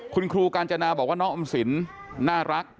คุณครูกาญจนาบอกว่าน้องออมสินน่ารัก